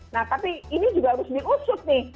nah tapi ini juga harus diusut nih